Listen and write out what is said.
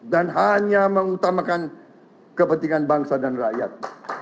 dan hanya mengutamakan kepentingan bangsa dan rakyat